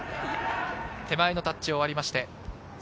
手前のタッチを割りまして。